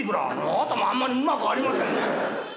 あなたもあんまりうまくありませんね。